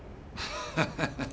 ハハハハ。